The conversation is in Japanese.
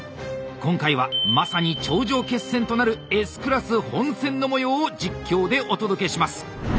今回はまさに頂上決戦となるＳクラス本戦の模様を実況でお届けします。